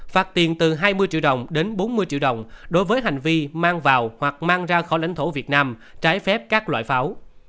phạt tiền từ hai mươi triệu đồng đến bốn mươi triệu đồng đối với hành vi mang vào hoặc mang ra khỏi lãnh thổ việt nam trái phép các loại pháo